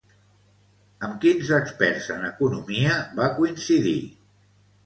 Amb quins experts en economia va coincidir?